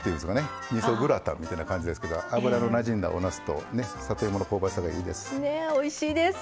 みそグラタンみたいな感じですけど油のなじんだおなすとね里芋の香ばしさがいいです。ねおいしいです。